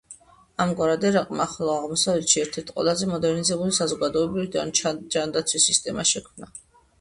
ამგვარად, ერაყმა ახლო აღმოსავლეთში ერთ-ერთ ყველაზე მოდერნიზებული საზოგადოებრივი ჯანდაცვის სისტემა შექმნა.